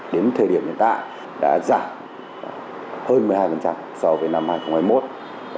đến thời điểm hiện tại đã giảm hơn một mươi hai so với năm hai nghìn hai mươi một